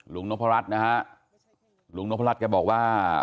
หลุงนพระรัชนะฮะหลุงนพระรัชแกบอกว่า